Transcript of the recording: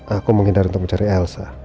aku menghindari untuk mencari elsa